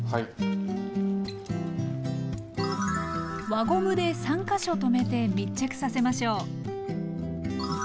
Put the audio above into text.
輪ゴムで３か所とめて密着させましょう。